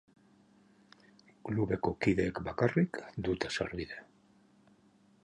Klubeko kideek bakarrik dute sarbidea.